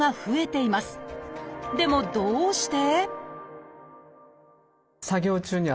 でもどうして？